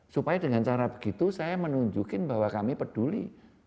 supaya dengan cara begitu saya menunjukkan bahwa kami peduli